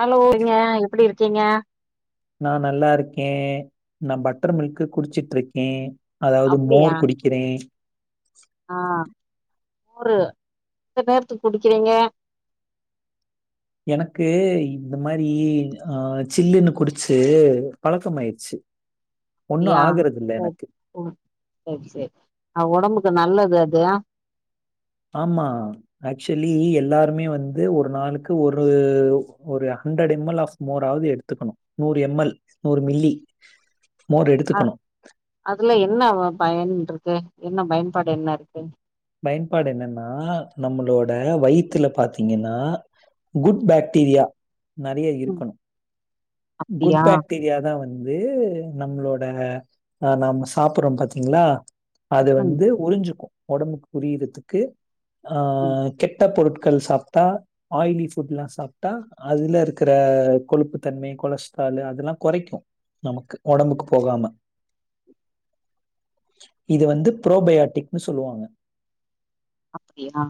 ஹலோங்க எப்படி இருக்கீங்க நான் நல்லா இருக்கேன். நான் பட்டர் மில்க்கு குடிச்சிட்டு இருக்கேன் அதாவது மோர் குடிக்கிறேன் ஆஹ் மோரு இந்த நேரத்துக்கு குடுக்கிறீங்க எனக்கு இந்த மாதிரி அஹ் சில்லுன்னு குடிச்சு பழக்கமாயிருச்சு ஒண்ணும் யா ஆகுறதில்ல செரி எனக்கு. [inaudible] செரி செரி ஆஹ் ஒடம்புக் கு நல்லது அது ஆமா ஆக்சுவலி எல்லாருமே வந்து ஒரு நாளுக்கு ஒரு ஒரு ஹண்ட்ரட் எம் எல் ஆப் மோர் ஆவது எடுத்துக்கணு நூறு எம் எல் நூறு மில்லி மோர் அ எடுத்துக்கணும். அதுல என்ன பயன் இருக்கு என்ன பயன்பாடு என்ன இருக்கு பயன்பாடு என்னன்னா நம்மளோட வயிறத்துல பாத்தீங்கன்னா குட் பாக்டீரியா நறைய ம் இருக்கணு குட் அப்டியா பாக்டீரியா தா வந் து நம்மளோட ஆஹ் நாம சாப்படுறோ பாத்தீங்களா அது ம் வந்து உறிஞ்சுக்கு ஒடம்புக்கு புரியறதுக்கு ம் அஹ் கெட்ட பொருட் கள் சாப்டா ஆயிலி ஃபுட்ல்லா சாப்டா அதுல இருக்கிற கொழுப்பு தன்மை கொலஸ்ட்ரலு அதெல்லா குறைக்கு நமக்கு ஒடம்புக்கு போகாம இது வந்து புரோபயாட்டிக்ன்னு சொல்லுவாங்க அப்டியா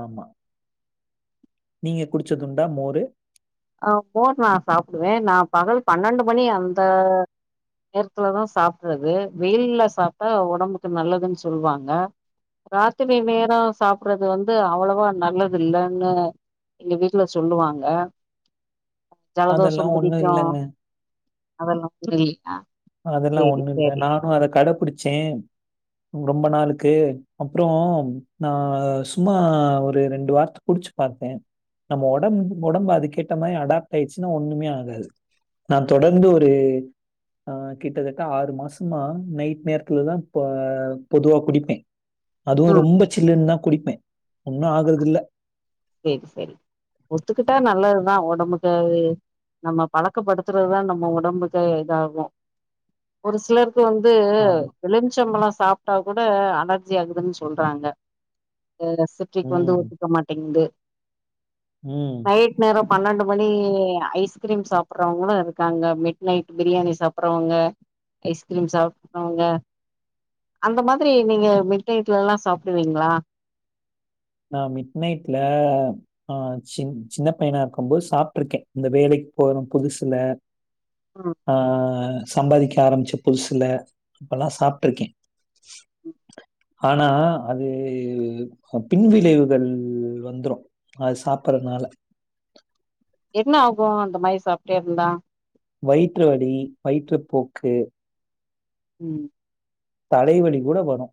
ஆமா நீங்க குடிச்சதுண்டா மோரு அஹ் மோர் நா சாப்டுவே நா பகல் பன்னெண்டு மணி அந்த நேரத்துலதா சாப்டுறது வெயில்ல சாப்ட்டா ஒடம்புக்கு நல்லதுன்னு சொல்லுவாங்க ராத்திரி நேரம் சாப்டுறது வந்து அவ்ளோவா நல்லது இல்லைன்னு எங்க வீட்டுல சொல்லுவாங்க அதெல்லாம் ஜலதோஷம் ஒண்ணும் புடிக்கு இல்லங்க. அதெல்லா [inaudible] அதெல்லா சேரி ஒண்ணு இல்ல சேரி நானும் அத கடைபிடிச்சே ரொம்ப நாளுக்கு அப்புறம் நான் சும்மா ஒரு ரெண்டு வாரத்தை புடிச்சு பார்த்தேன் நம்ம உடம்பு உடம்பு அது கேட்ட மாதிரி அடாப்ட் ஆயிடுச்சுன்னா ஒண்ணுமே ஆகாது நான் தொடர்ந்து ஒரு ஆ கிட்டத்தட்ட ஆறு மாசமா நைட் நேரத்துல தான் பொதுவா குடிப்பேன் அதுவும் ம் ரொம்ப சில்லுன்னுதா குடிப்பேன் ஒண்ணும் ஆகுறது இல்ல சரி சரி ஒத்துக்கிட்டா நல்லதுதான் உடம்புக்கு நம்ம பழக்கப்படுத்துறது தான் நம்ம உடம்புக்கு இதாகும் ஒரு சிலர் இப்ப வந்து ஆமா. எழுமிச்சம் பழம் சாப்பிட்டா கூட அலர்ஜி ஆகுதுன்னு சொல்றாங்க அசிட்டிக் வந்து ம். ஒத்துக்க மாட்டேங்குது ம். நைட் நேரம் பன்னெண்டு மணி ஐஸ்கிரீம் சாப்பிட்றவங்களும் இருக்காங்க மிட் நைட் பிரியாணி சாப்பிறவங்க ஐஸ்கிரீம் சாப்றவங்க அந்த மாதிரி நீங்க மிட் நைட்லெலாம் சாப்பிடுவீங்களா நா மிட் நைட்ல ஆ சின் சின்ன பையனா இருக்கும் போது சாப்ட்ருக்கே இந்த வேலைக்கு போறோ புதுசுல ம் ஆ சம்பாதிக்க ஆரம்பிச்ச புதுசுல அப்பல்லா சாப்ட்ருக்கே ஆனா அது பின்விளைவுகள் வந்துரு அது சாப்பறனால என்ன ஆகு அந்த மாரி சாப்ட்டே இருந்தா வயிற்றுவலி வயிற்றுபோக்கு ம் தலைவலி கூட வரு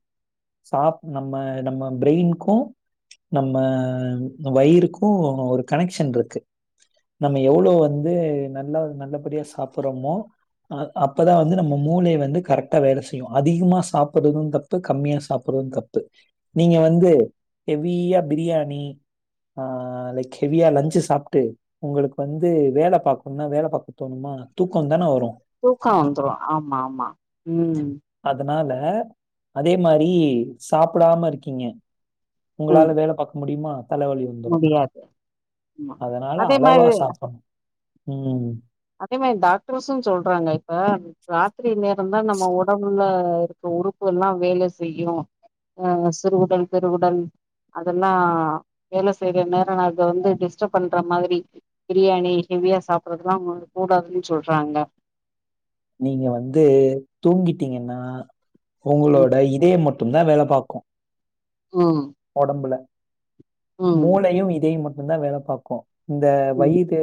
சாப் நம்ம நம்ம பிரெயின்க்கு நம்ம வயிறுக்கு ஒரு கனெக்ஷன் இருக்கு நம்ம எவ்ளோ வந்து நல்லா நல்லபடியா சாப்படறமோ அ அப்பதா வந்து நம்ம மூளைய வந்து கரெக்டா வேல செய்யு அதிகமா சாப்படறது தப்பு கம்மிய சாப்பறது தப்பு நீங்க வந்து ஹெவியா பிரியாணி ஆ லைக் ஹெவியா லன்ச்சு சாப்ட்டு உங்களுக்கு வந்து வேல பாக்கணுனா வேல பாக்க தோணுமா தூக்கந்தான வரு தூக்க வந்துரு ஆமா ஆமா ம் அதனால அதே மாரி சாப்படாம இருக்கிங்க உங்களால ம் வேல பாக்க முடியுமா தலவலி வந்துரு முடியாது ஆமா அதனால அதே மாரி அளவா சாப்ப ம் அதே மாரி டாக்டர்ஸு சொல்றாங்க இப்ப ராத்திரி நேர ந்தா நம்ம ஒடம்புல இருக்க உறுப்புகள்லா வேலை செய்யு அ சிறுகுடல் பெருகுடல் அதெல்லா வேலை செய்ற நேர அத வந்து டிஸ்டர் பண்ற மாதிரி பிரியாணி ஹெவியா சாப்படறதுலா கூடாதுன் சொல்றாங்க நீங்க வந்து தூங்கிட்டிங்கன்னா ம் உங்களோட இதயம் ம ட்டுந்தா வேல பாக்கு ம் ஒடம்புல ம் மூளையு இதய ம ட்டுந்தா வேல பாக்கு இந்த வயிறு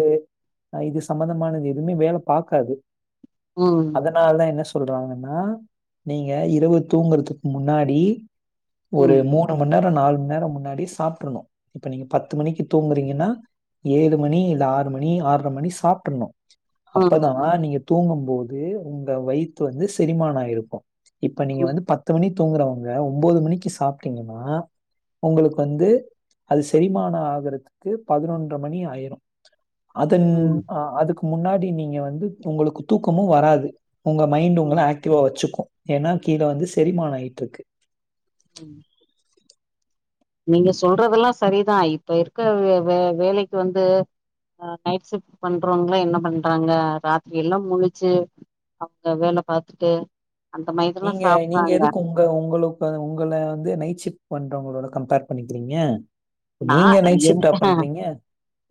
அ இது சம்பந்தமானது எதுமே வேல பாக்காது ம் அதனாலதா என்ன சொ சொல்றாங்கனா நீங்க இரவு தூங்குறதுக்கு முன்னாடி ம் ஒரு ம் மூணு மண் நேர நாலு மண் நேர முன்னாடி சாப்ட்றணு இப்ப நீங்க பத்து மணிக்கு தூங்கறிங்கனா ஏழு மணி இல்ல ஆறு மணி ஆறர மணி சாப்ட்ரணு ம் அப்பதா ம் நீங்க தூங்கும் போது உங்க வயித்து வந்து செரிமான ஆயிருக்கு இப்ப நீங்க வந்து பத்து மணிக் தூங்குறவங்க ஒம்போது மணிக்கு சாப்ட்டிங்க னா உங்களுக்கு வந்து அது செரிமான ஆகறதுக்கு பதினொன்ற மணி ஆயிரு அதுன் ம் ம் ஆ அதுக்கு முன்னாடி நீங்க வந்து உங்களுக்கு தூக்கமு வராது உங்க மைண்டு உங்கள ம் ஆக்டிவா வெச்சுக்கு ஏனா கீழ வந்து செரிமான ஆயிட்ருக்கு ம் நீங்க சொல்றதெல்லா சரிதா இப்ப இருக்க வே வே வேலைக்கு வந்து அ நைட் ஷிப்ட் பண்றவங்லா என்ன பண்றாங்க ராத்திரி எல்லா முழிச்சு அவங்க வேல பாத்துட்டு அந்த மாரிதெல்லா நீங்க நீங்க சாப்றாங்க எதுக்கு உங்க உங்களுக் உங்கள வந்து நைட் ஷிஃப்ட் பண்றவங்களோட கம்பேர் பண்ணிக்கிறிங்க நா என்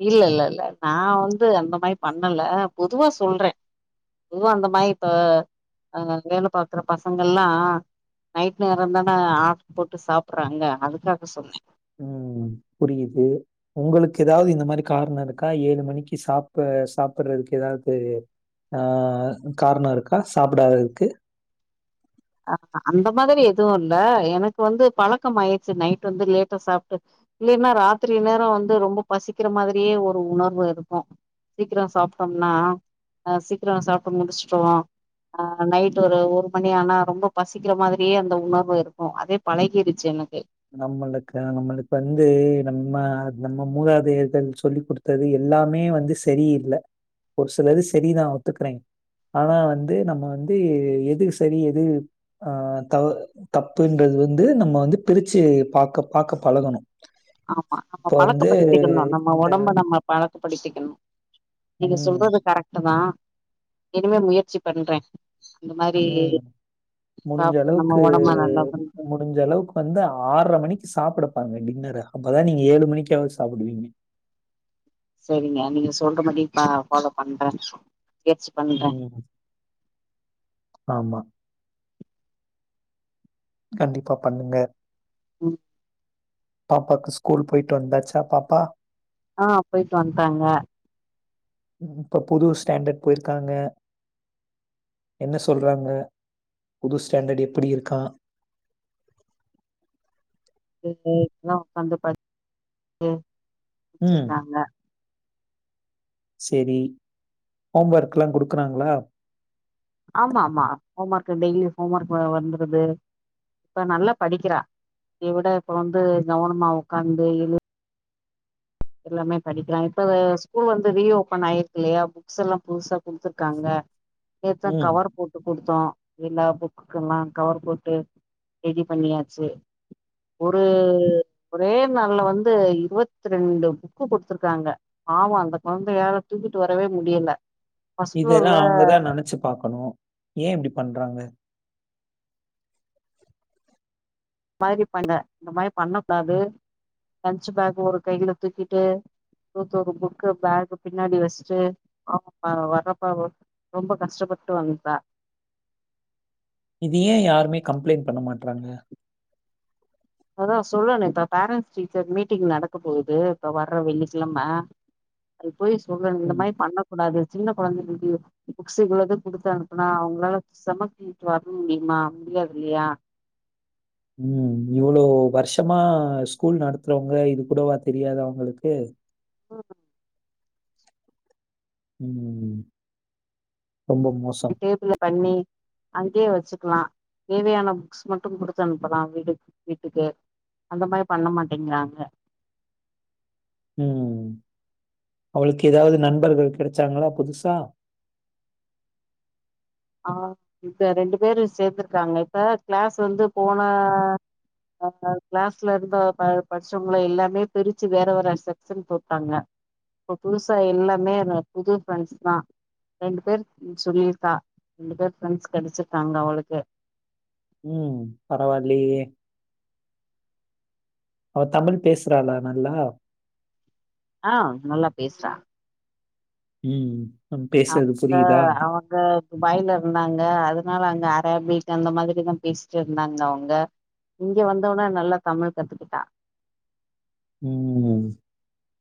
இல்ல இல்ல இல்ல நா வந்து அந்த மாரி பண்ணல பொதுவா சொல்றே பொதுவா அந்த மாரி இப்ப வேல பாக்கற பசங்கெல்லா நைட் நேரந்தான ஆர்டர் போட்டு சாப்படறாங்க அதுக்காக சொன்னே ம் புரியுது உங்களுக்கு எதாவுது இந்த மாரி காரண இருக்கா ஏழு மணிக்கு சாப்ப சாப்படுறதுக்கு எதாவுது ஆ காரண இருக்கா சாப்படாததுக்கு அ அந்த மாதிரி எதுவு இல்ல எனக்கு வந்து பழக்கம் ஆயிடுச்சு நைட் வந்து லேட்டா சாப்ட்டு இல்லைனா ராத்திரி நேர வந்து ரொம்ப பசிக்கிற மாதிரியே ஒரு உணர்வு இருக்கு சீக்கிர சாப்ட்டம்னா அ சீக்கிர சாப்ட்டு முடிச்சுட்டோ ஆ நைட் ஒரு ஒரு மணி ஆனா ரொம்ப பசிக்கிற மாதிரியே அந்த உணர்வு இருக்கு அதே பழகிடுச்சு எனக்கு நம்மளுக்கு நம்மளுக்கு வந்து நம்ம நம்ம மூதாதையர்கள் சொல்லி குடுத்தது எல்லாமே வந்து சரி இல்ல ஒரு சிலது சரிதா ஒத்துக்கறே ஆனா வந்து நம்ம வந் து எது சரி எது ஆ த தப்புன்றது வந்து நம்ம வந்து பிரிச்சு பாக்க பாக்க பழகணு ஆமா நம்ம பழக்க படுத்திக்கணு நம்ம இந்த ஒடம்ப நம்ம பழக்க படுத்திக்கணு நீங்க ம். சொல்றது கரெக்ட்டுதா இனிமே முயற்சி பண்றே இந்த மாரி ம் சாப்ட்டு நம்ம முடிஞ்சளவுக்கு ஒடம்ப நல்லா பண்ற முடிஞ்ச அளவுக்கு வந்து ஆறர மணிக்கு சாப்பட பாருங்க டின்னர அப்பதா நீங்க ஏழு மணிக்காவது சாப்டுவிங்க சரிங்க நீங்க சொல்ற மாரி நா ஃபாலோ பண்ற உம் ஆமா கண்டிப்பா பண்ணுங்க ம் பாப்பாக்கு ஸ்கூல் போயிட்டு வந்தாச்சா பாப்பா ஆஹ் போயிட்டு வன்டாங்க இப்ப புது ஸ்டாண்டர்ட் போயிருக்காங்க என்ன சொல்றாங்க புது ஸ்டாண்டர்டு எப்படி இருக்கா வீட்ல எல்லாம் உட்காந்து படிக் து வச்சிருக்காங்க செரி ஹோம்வர்க்லா குடுக்குறாங்ளா ஆமாமா homework daily homework வ வந்துருது இப்ப நல்லா படிக்கிறா முந்த விட இப்ப வந்து கவனமா உக்காந்து எழு எல்லாமே படிக்கலாம் இப்ப ஸ்கூல் வந்து ரீஓபன் ஆயிருக்கு இல்லையா புக்ஸ் எல்லாம் புதுசா குடுத்துருக்காங்க நேத்தா ம். கவர் போட்டு கொடுத்து தோம் எல்லா புக்குக்குலா கவர் போட்டு ரெடி பண்ணியாச்சு ஒரு ஒரே நாள்ல வந்து இருபத்தி ரெண்டு புக்கு குடுத்திருக்காங்க பாவொ அந்த கொழந்தையால தூக்கிட்டு வரவே முடியல ஃபர்ஸ்ட் இதெல்லா ஃப்ளோர்ல அவங்கதா நெனைச்சு பாக்கணு ஏன் இப்படி பண்றாங்க மாதிரி பண்ண இந்த மாதிரி பண்ணக் கூடாது லன்சு பேக் ஒரு கையில தூக்கிட்டு [unintelligible] புக்கு பேக்கு பின்னாடி வச்சுட்டு அவ வர்றப்ப ரொம்ப கஷ்டப்பட்டு வந்ட்டா இது ஏ யாருமே கம்ப்ளைண்ட் பண்ண மாட்றாங்க அதா சொல்லணு இப்ப பேரண்ட்ஸ் டீச்சர் மீட்டிங் நடக்க போகுது இப்ப வர்ற வெள்ளிகெழம போய் சொல்லணு இந்த ம். மாரி பண்ணக் கூடாது சின்ன கொழந்தைகளுக்கு புக்ஸ் இவ்ள இது குடுத்து அனுப்புனா அவங்களால செமத்திட்டு வர முடியுமா முடியாதில்லையா ம் இவ்வளவு வருஷமா ஸ்கூல் நடத்துறவங்க இது கூடவா தெரியாது அவங்களுக்கு ம் உம் ம் ரொம்ப மோசம். டேபுள பண்ணி அங்கேயே வச்சுக்கலா தேவையான புக்ஸ் மட்டும் குடுத்து அனுப்பலாம் வீட்டுக் வீட்டுக்கு அந்த மாரி பண்ண மாட்டேங்கிறாங்க உம் அவளுக்கு ஏதாவது நண்பர்கள் கெடைச்சாங்களா புதுசா ஆ இப்ப ரெண்டு பேரும் சேத்துருக்காங்க இப்ப க்ளாஸ் வந்து போன அ க்ளாஸ்ல இருந்த ப படிச்சுவுங்கள எல்லாமே பிரிச்சு வேற வேற செக்க்ஷன் போட்டாங்க இப்ப புதுசா எல்லாமே புது ஃப்ரெண்ட்ஸ்தா ரெண்டு பேர் சொல்லிருக்கா ரெண்டு பேர் ஃப்ரெண்ட்ஸ் கெடிச்சிருக்காங்க அவளுக்கு பரவாயில்லயே அவ தமிழ் பேசுறாளா நல்லா ஆ நல்லா பேஸ்றா உம் ம் நம்ம பேசுறது அவுங்க புரியுதா? அவங்க ஃபாய்ல இருந்தாங்க அதனால அங்க பேபீட் அந்த மாரிதா பேசிட்டு இருந்தாங்க அவுங்க இங்க வந்தோன நல்லா தமிழ் கத்துக்கிட்டா உம் ம்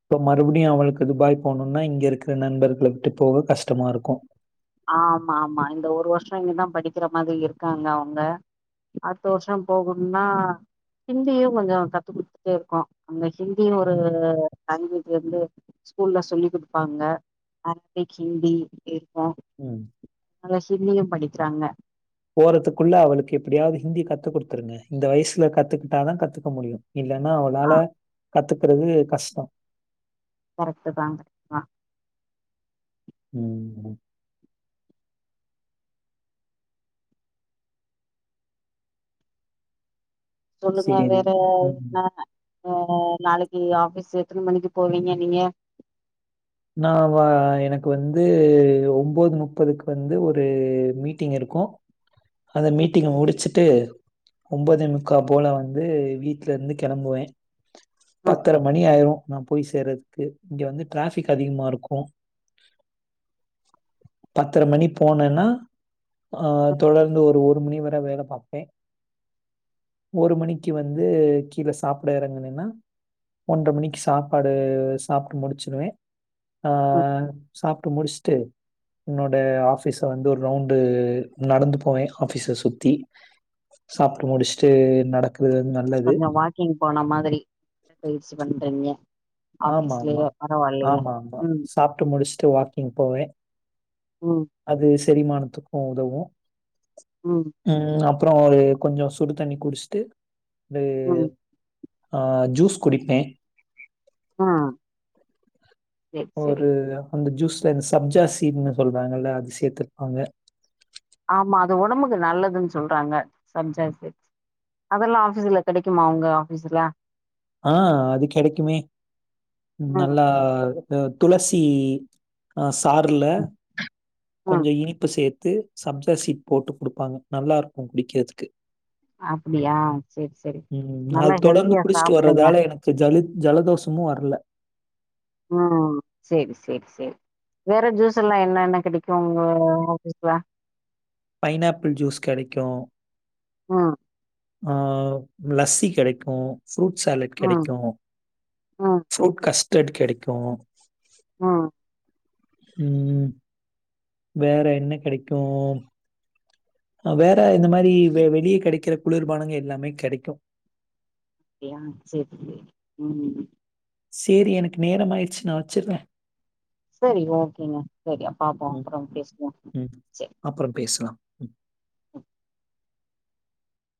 இப்ப மறுபடியு அவளுக்கு தபாய் போணுன்னா இங்க இருக்குற நண்பர்கள விட்டு போக கஷ்டமா இருக்கும் ஆமா ஆமா இந்த ஒரு வருஷோ இங்கதா படிக்கிற மாதிரி இருக்காங்க அவுங்க அத்து வருஷோ போகணும்னா ஹிந்தியு கொஞ்சோ கத்து குடுத்துட்டே இருக்கோ அங்க ஹிந்தியும் ஒரு லாங்குவேஜ் வந்து ஸ்கூல்ல சொல்லிக் குடுப்பாங்க [unintelligible] ஹிந்தி இருக்கும் உம் நல்லா ஹிந்தியும் படிக்கிறாங்க போறதுக்குள்ள அவளுக்கு எப்டியாவது ஹிந்தி கத்து குடுத்துருங்க இந்த வயசுல கத்துக்கிட்டாதா கத்துக்க முடியும் இல்லன்னா ஆ அவளால கத்துக்குறது கஷ்டோ கரெக்ட்தாங்க ஆ உம் ம் சொல்லுங்க சரி. வேற ம். என்ன அ நாளைக்கி ஆபீஸ் எத்தன மணிக்கு போவீங்க நீங்க நான் வா எனக்கு வந்து ஒன்போது முப்பதுக்கு வந்து ஒரு மீட்டிங் இருக்கும் அத ம் மீட்டிங்க முடிச்சுட் விட்டு ஒன்பதே முக்கா போல வந்து வீட்ல இருந்து கெளம்புவே ம் பத்தரை மணி ஆயிரு நா போய் சேர்றதுக்கு இங்க வந்து ஃடிராபிக் அதிகமா இருக்கும் பத்தரை மணி போனேன்னா ஆ தொடர்ந்து ஒரு ஒரு மணி வரை வேல பாப்பே ஒரு மணிக்கு வந்து கீழே சாப்ட எறங்கனன்னா ஒன்றரை மணிக்கு சாப்பாடு சாப்டு முடிச்சுடுவே ஆ ம் சாப்ட்டு முடிச்சுட்டு என்னோட ஆபிஸ வந்து ஒரு ரவுண்டு நடந்து போவேன் ஆபீஸை சுத்தி சாப்டு முடிச்சுட்டு நடக்க கொஞ்சோ வாக்கிங் போன மாதிரி பயிற்சி பண்றீங்க ஆமா ஆமா ஆஃபீஸ்லயே பரவாயில்லையே ஆமா ஆமா ம் சாப்ட்டு முடிச்சுட்டு வாக்கிங் போவே ம் அது செரிமானத்துக்கும் உதவும் ம் உம் அப் அப்ரோ ஒரு கொஞ்சோ சுடு தண்ணி குடிச்ட்டு வந்து ம் ஆ ஜூஸ் குடிப்பே ஆ செரி செரி ஒரு அந்த ஜூஸ் இந்த சப்ஜா சீட்னு சொல்றாங்கல்ல அது சேத்துருப்பாங்க ஆமா அது ஒடம்புக்கு நல்லதுன் சொல்றாங்க சப்ஜா சீட்ஸ் அதெல்லா ஆபீஸ்ல கெடைக்குமா உங்க ஆபீஸ்ல ஆ அது கெடைக்குமே ம் நல்லா துளசி ஆ சாறுல ம் கொஞ்ச ம் இனிப்பு சே து சப்ஜி சீட் போட்டு குடுப்பாங்க நல்லா இருக்கு குடிக்கறதுக்கு அப்டியா சேர் செரி நல்லா ஹெல்த்தியா சாப் தால எனக்கு ஜல ஜலதோஷமு வரல ம் செரி செரி செரி வேற ஜூஸ் எல்லா என்னென்ன கெடைக்கு உங்க ஆஃபீஸ்ல பைனாப்பிள் ஜூஸ் கெடைக்கு ம் ஆ லஸ்ஸி கெடைக்கு ஃப்ரூட் சாலட் ம் கெடைக்கு ம் ஃப்ரூட் கஸ் லெட் கெடைக்கு ம் ம் வேற என்ன கெடைக்கு அ வேற இந்த மாரி வெ வெளிய கெடைக்கிற குளிர்பானங்க எல்லாமே கெடைக்கு அப்டியா செரி செரி ம் சேரி எனக்கு நேரம் ஆயிடுச்சு நா வெச்சிர்ற சரி ஓகேங்க சரி பாப்போ ம், அப்றொம் பேசுவோ செ அப்புறம் பேசலாம். ம்